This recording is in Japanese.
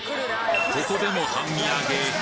ここでも半身揚げ。